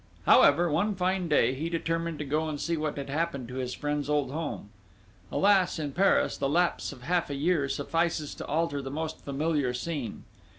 However, one fine day, he determined to go and see what had happened to his friend's old home.... Alas, in Paris, the lapse of half a year suffices to alter the most familiar scene!